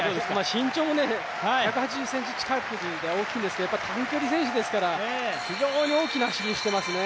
身長も１８０ｃｍ近くで大きいんですけれども、やはり短距離選手ですから、非常に大きな走りしてますね。